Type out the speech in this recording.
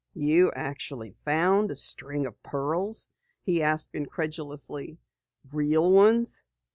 "You actually found a string of pearls?" he asked incredulously. "Real ones?"